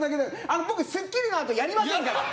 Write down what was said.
僕『スッキリ』の後やりませんから。